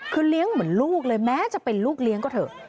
คือเลี้ยงเหมือนลูกเลยแม้จะเป็นลูกเลี้ยงก็เถอะ